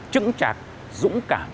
chững chạc dũng cảm